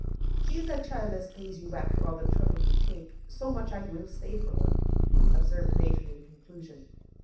'She's a child as pays you back for all the trouble you take, so much I will say for her,' observed the matron in conclusion.